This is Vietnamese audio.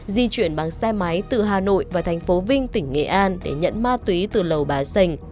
di chuyển bằng xe máy từ hà nội và thành phố vinh tỉnh nghệ an để nhận ma túy từ lầu bá sành